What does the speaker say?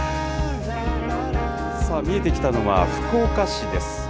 さあ見えてきたのは、福岡市です。